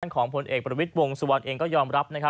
ด้านของพลเอกบนวิทวงศ์สวรรค์เองก็ยอมรับนะคะ